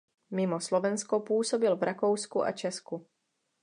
Mimo Slovensko působil v Rakousku a Česku.